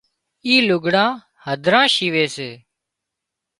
اِي لُگھڙان هڌران شيوي سي